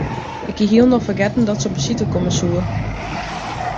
Ik hie hielendal fergetten dat se op besite komme soe.